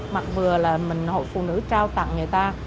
mặc vừa là mình hội phụ nữ trao tặng người ta